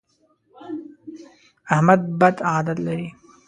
احمد بد عادت لري.